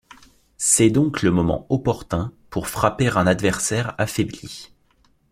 C'est donc le moment opportun pour frapper un adversaire affaibli.